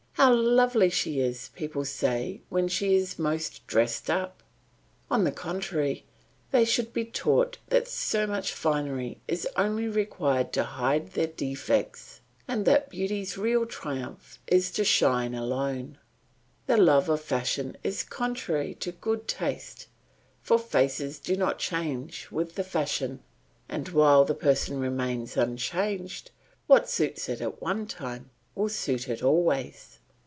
"How lovely she is!" people say when she is most dressed up. On the contrary, they should be taught that so much finery is only required to hide their defects, and that beauty's real triumph is to shine alone. The love of fashion is contrary to good taste, for faces do not change with the fashion, and while the person remains unchanged, what suits it at one time will suit it always.